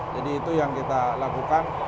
jadi itu yang kita lakukan